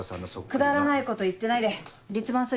くだらないこと言ってないで立番するよ。